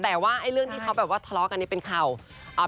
แต่ว่าไอ้เรื่องที่เขาแบบว่าทะเลาะกันนี่เป็นข่าว